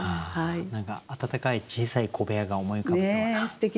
何か暖かい小さい小部屋が思い浮かぶような。